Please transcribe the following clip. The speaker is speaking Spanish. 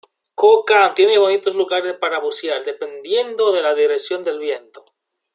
Ko Kham tiene bonitos lugares para bucear, dependiendo de la dirección del viento.